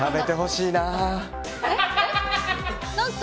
えっ？